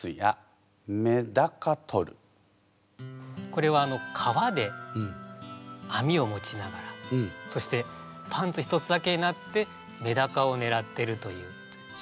これは川で網を持ちながらそしてパンツ１つだけになってメダカをねらっているという。